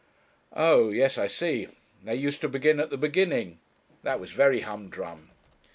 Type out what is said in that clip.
'Oh! yes I see. They used to begin at the beginning; that was very humdrum.'